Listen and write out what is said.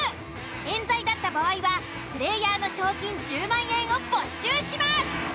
冤罪だった場合はプレイヤーの賞金１０万円を没収します。